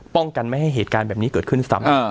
ป้องกันไม่ให้เหตุการณ์แบบนี้เกิดขึ้นซ้ำ